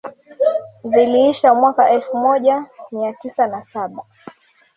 Viliisha mwaka elfu moja mia tisa na saba